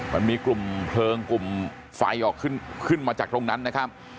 มันมีกลุ่มเพลิงกลุ่มไฟออกขึ้นมาจากตรงนั้นนะครับ